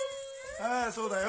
ああそうだよ。